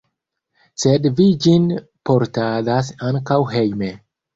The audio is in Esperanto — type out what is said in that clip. Sed vi ĝin portadas ankaŭ hejme.